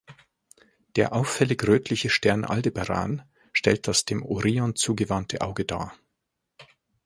Der auffällig rötliche Stern Aldebaran stellt das dem Orion zugewandte Auge dar.